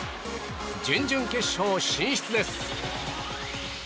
準々決勝進出です。